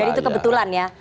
jadi itu kebetulan ya